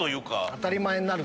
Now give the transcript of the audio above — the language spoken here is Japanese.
当たり前になるんすね。